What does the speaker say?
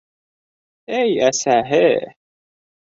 Әй әсәһе!